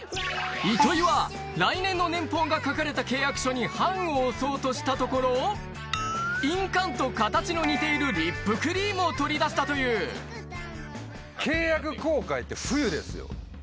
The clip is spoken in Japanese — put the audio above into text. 糸井は来年の年俸が書かれた契約書に判を押そうとしたところ印鑑と形の似ているリップクリームを取り出したという冬ですよ。